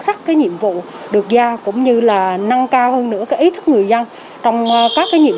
sắc cái nhiệm vụ được giao cũng như là nâng cao hơn nữa cái ý thức người dân trong các cái nhiệm